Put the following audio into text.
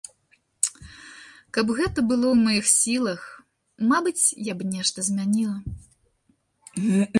Каб гэта было ў маіх сілах, мабыць, я б нешта змяніла.